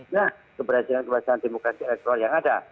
nah keberhasilan keberhasilan demokrasi elektoral yang ada